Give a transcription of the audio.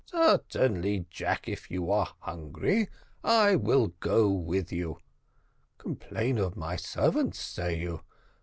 "Certainly, Jack, if you are hungry; I will go with you. Complain of my servants, say you?